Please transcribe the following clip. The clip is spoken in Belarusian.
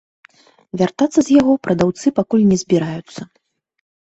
Вяртацца з яго прадаўцы пакуль не збіраюцца.